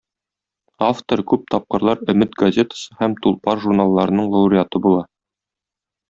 Автор күп тапкырлар "Өмет" газетасы һәм "Тулпар" журналларының лауреаты була.